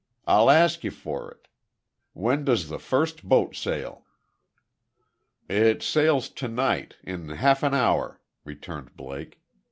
I'll ask you for it! When does the first boat sail?" "It sails to night in half an hour," returned Blake.